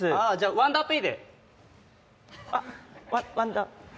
ワンダーペイで。